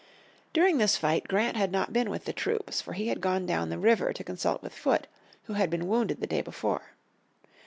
During this fight Grant had not been with the troops, for he had gone down the river to consult with Foote, who had been wounded the day before.